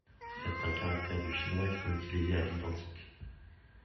Certains caractères du chinois y sont utilisés à l'identique.